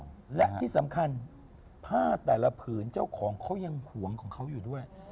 และที่สำคัญผ้าแต่ละผืนเจ้าของเขายังห่วงของเขาอยู่ด้วย